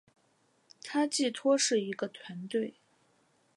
它寄托是一个团队